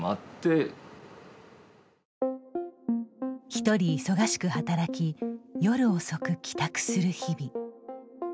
１人忙しく働き夜遅く帰宅する日々。